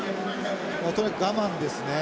とにかく我慢ですね。